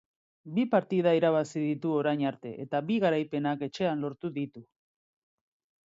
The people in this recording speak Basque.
Bi partida irabazi ditu orain arte, eta bi garaipenak etxean lortu ditu.